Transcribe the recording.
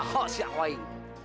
nah kok siap wain